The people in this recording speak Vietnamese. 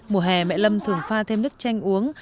mùa hè mẹ lâm thường pha thêm nước chanh uống